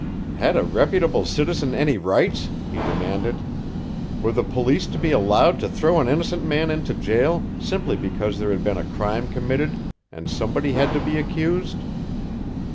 Had a reputable citizen any rights, he demanded? Were the police to be allowed to throw an innocent man into jail simply because there had been a crime committed and somebody had to be accused?